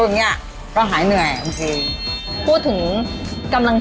น้องเวล